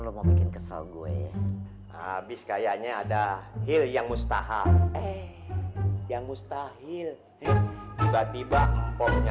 lu mau bikin kesal gue ya habis kayaknya ada hil yang mustahak eh yang mustahil tiba tiba